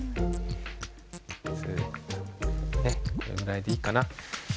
スッこれぐらいでいいかな。